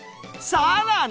さらに！